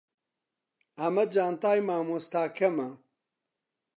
ئەمە جانتای مامۆستاکەمە.